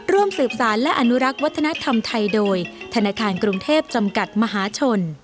ร่วมสืบสารและอนุรักษ์วัฒนธรรมไทยโดยธนาคารกรุงเทพจำกัดมหาชน